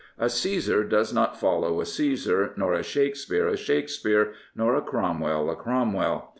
A Caesar does not follow a Caesar, nor a Shakespeare a Shakespeare, nor a Crom well a Cromwell.